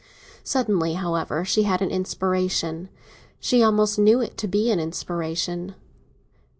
Suddenly, however, she had an inspiration—she almost knew it to be an inspiration.